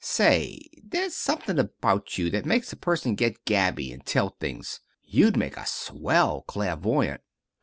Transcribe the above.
Say, there's something about you that makes a person get gabby and tell things. You'd make a swell clairvoyant."